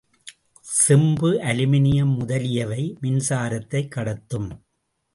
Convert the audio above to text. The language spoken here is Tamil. செம்பு, அலுமினியம் முதலியவை மின்சாரத்தைக் கடத்தும்.